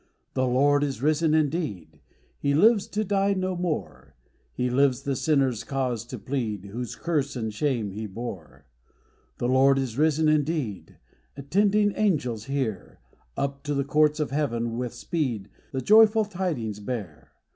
" The Lord is risen indeed ;" He lives to die no more ■ He lives the sinner's cause to plead, Whose curse and shame He bore. " The Lord is risen indeed ;" Attending angels, hear : Up to the courts of heaven, with speed, The joyful tidings bear.